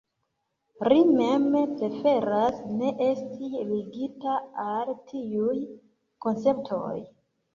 Ri mem preferas ne esti ligita al tiuj konceptoj.